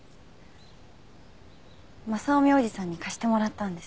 雅臣おじさんに貸してもらったんです。